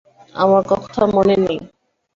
আমার কথা মনে নেই?